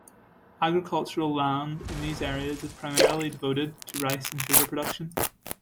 Agricultural land in these areas is primarily devoted to rice and sugar production.